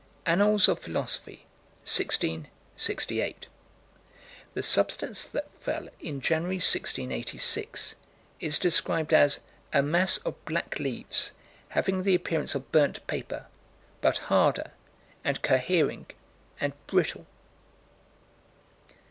Annals of Philosophy, 16 68: The substance that fell in January, 1686, is described as "a mass of black leaves, having the appearance of burnt paper, but harder, and cohering, and brittle."